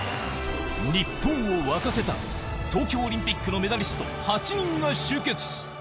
日本を沸かせた東京オリンピックのメダリスト８人が集結！